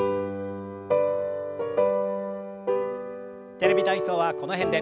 「テレビ体操」はこの辺で。